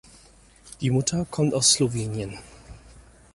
Die Mutter kommt aus Slowenien.